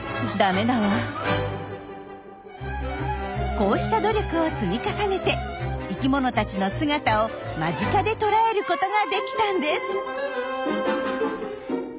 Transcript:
こうした努力を積み重ねて生きものたちの姿を間近で捉えることができたんです。